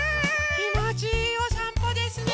きもちいいおさんぽですね。